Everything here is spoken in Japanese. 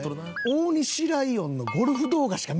大西ライオンのゴルフ動画しか見てない。